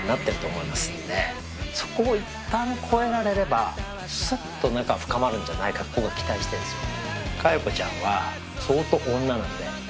そこをいったん越えられればスッと仲は深まるんじゃないかと僕は期待してるんですよ。